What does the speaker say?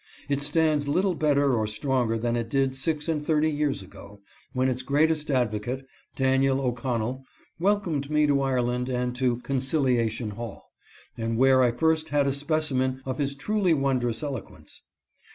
It stands little better or stronger than it did six and thirty years ago, when its greatest advocate, Daniel O'Connell, welcomed me to Ireland and to " Conciliation Hall," and where I first had a specimen of his truly wondrous elo quence.